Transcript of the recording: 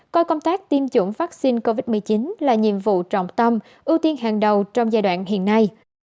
coi công tác tiêm chủng vaccine covid một mươi chín là nhiệm vụ trọng tâm ưu tiên hàng đầu trong giai đoạn hiện nay